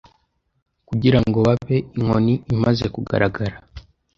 kugirango babe inkoni imaze kugaragara